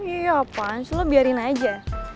iya pans lo biarin aja